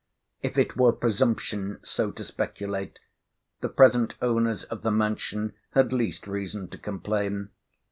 If it were presumption so to speculate, the present owners of the mansion had least reason to complain.